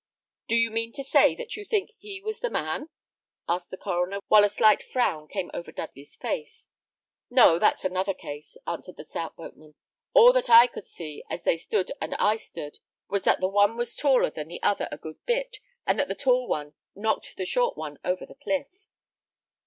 "Do you mean to say, that you think he was the man?" asked the coroner, while a slight frown came over Dudley's face. "No, that's another case," answered the stout boatman. "All that I could see, as they stood and I stood, was, that the one was taller than the other a good bit, and that the tall one knocked the short one over the cliff."